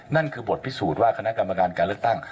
นั่นคือบทพิสูจน์ว่าคณะกรรมการการเลือกตั้ง